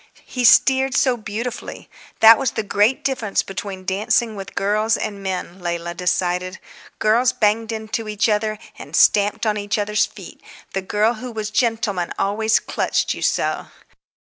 He steered so beautifully. That was the great difference between dancing with girls and men, Leila decided. Girls banged into each other, and stamped on each other's feet; the girl who was gentleman always clutched you so.